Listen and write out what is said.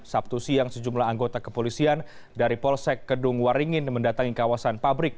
sabtu siang sejumlah anggota kepolisian dari polsek kedung waringin mendatangi kawasan pabrik